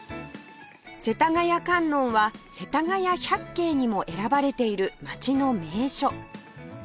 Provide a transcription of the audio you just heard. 世田谷観音はせたがや百景にも選ばれている街の名所